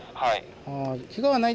はい。